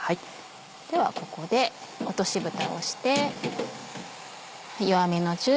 ではここで落としぶたをして。